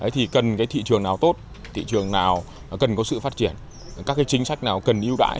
thì cần cái thị trường nào tốt thị trường nào cần có sự phát triển các cái chính sách nào cần ưu đãi